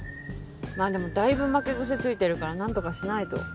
まあでもだいぶ負け癖ついてるから何とかしないと。